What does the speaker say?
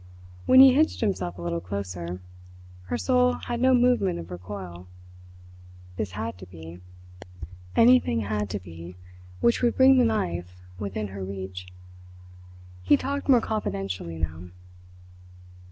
When he hitched himself a little closer, her soul had no movement of recoil. This had to be. Anything had to be which would bring the knife within her reach. He talked more confidentially now.